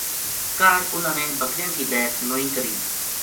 کاہڈ اُنھاں نے بکریاں بِہک نوئی کری